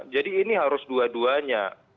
jadi ini harus dua duanya